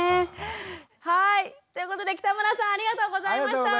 はいということで北村さんありがとうございました！